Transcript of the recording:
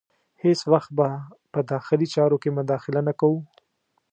هیڅ وخت به په داخلي چارو کې مداخله نه کوو.